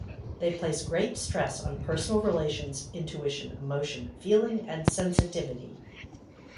They place great stress on personal relations, intuition, emotion, feeling and sensitivity.